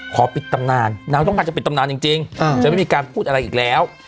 ขอปิดตำนานนางต้องการจะเป็นตำนานจริงจะไม่มีการพูดอะไรอีกแล้ว